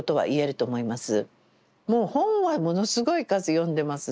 もう本はものすごい数読んでます。